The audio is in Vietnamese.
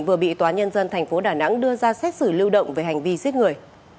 vừa bị tòa nhân dân tp đà nẵng đưa ra xét xử lưu động về hành vi giết người